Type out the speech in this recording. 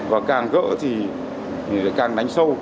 và càng gỡ thì càng đánh sâu